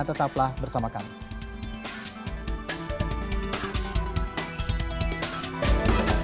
tetaplah bersama kami